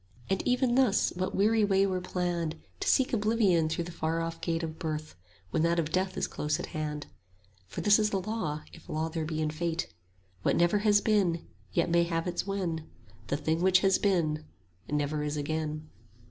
And even thus, what weary way were planned, To seek oblivion through the far off gate Of birth, when that of death is close at hand! 75 For this is law, if law there be in Fate: What never has been, yet may have its when; The thing which has been, never is again.